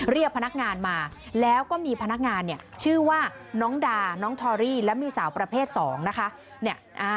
เรียกพนักงานมาแล้วก็มีพนักงานเนี่ยชื่อว่าน้องดาน้องทอรี่และมีสาวประเภท๒นะคะ